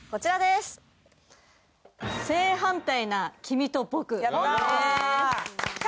「正反対な君と僕」。